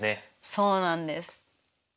そうなんです。